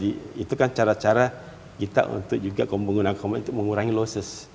itu kan cara cara kita untuk juga menggunakan combine itu mengurangi losses